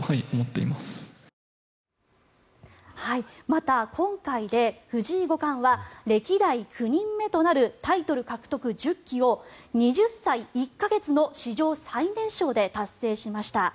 また、今回で藤井五冠は歴代９人目となるタイトル獲得１０期を２０歳１か月の史上最年少で達成しました。